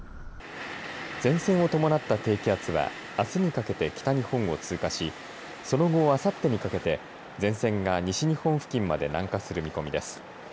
前線を伴った低気圧はあすにかけて北日本を通過しその後あさってにかけて前線が西日本付近まで南下する見込みです。